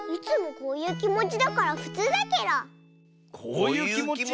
こういうきもち？